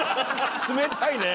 冷たいね。